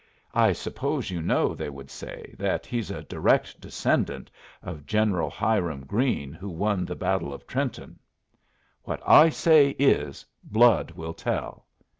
"I suppose you know," they would say, "that he's a direct descendant of General Hiram Greene, who won the battle of Trenton. What I say is, 'Blood will tell!'"